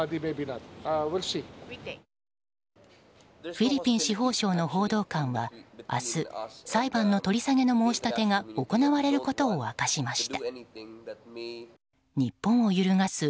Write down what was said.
フィリピン司法省の報道官は明日、裁判の取り下げの申し立てが行われることを明かしました。